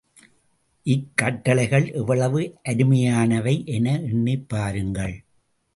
இக்கட்டளைகள் எவ்வளவு அருமையானவை என எண்ணிப் பாருங்கள்.